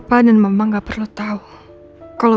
jangan lupa bersih bersih dulu